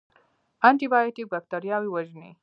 انټي بیوټیک بکتریاوې وژني